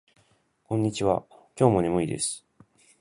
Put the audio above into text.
こんにちは。今日も眠いです。